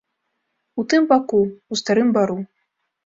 У тым баку, ў старым бару.